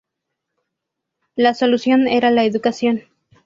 La solución era la educación.